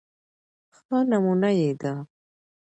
ښه نمونه يې د